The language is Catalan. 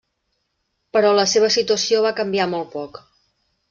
Però la seva situació va canviar molt poc.